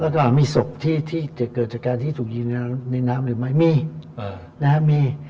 แล้วก็มีศพที่จะเกิดจากการที่ถูกยิงในน้ำหรือไม่มีนะฮะมี